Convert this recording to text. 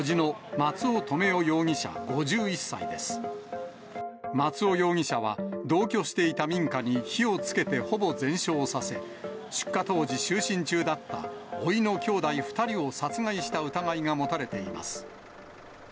松尾容疑者は、同居していた民家に火をつけてほぼ全焼させ、出火当時、就寝中だったおいの兄弟２人を殺害した疑いが持たれています。